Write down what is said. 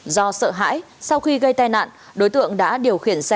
do sợ hãi sau khi gây tai nạn đối tượng đã điều khiển xe